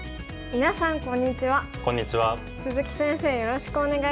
みなさんこんにちは。